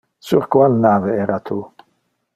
Sur qual nave era tu?